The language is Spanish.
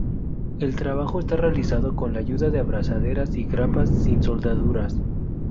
El trabajo está realizado con la ayuda de abrazaderas y grapas, sin soldaduras.